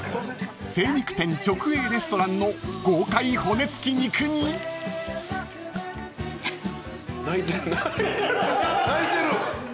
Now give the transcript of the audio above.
［精肉店直営レストランの豪快骨付き肉に］泣いてる。